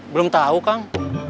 belum tahu kang